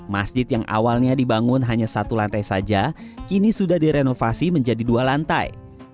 masjid yang awalnya dibangun hanya satu lantai saja kini sudah direnovasi menjadi dua lantai